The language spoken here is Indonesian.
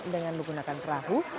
dengan menggunakan kerahu